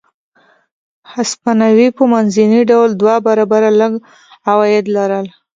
هسپانوي په منځني ډول دوه برابره لږ عواید لرل.